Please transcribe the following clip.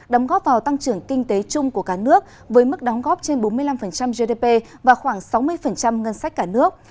đóng góp vào tăng trưởng kinh tế chung của cả nước với mức đóng góp trên bốn mươi năm gdp và khoảng sáu mươi ngân sách cả nước